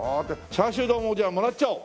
チャーシュー丼をじゃあもらっちゃおう！